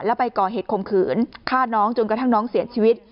แล้วไปก่อเหตุคมขืนฆ่าน้องจนกระทั่งน้องเสียชีวิต